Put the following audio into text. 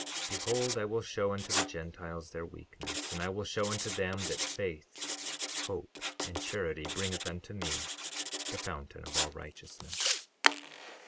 12:28 Behold, I will show unto the Gentiles their weakness and I will show unto them that faith, hope and charity bringeth unto me—the fountain of all righteousness.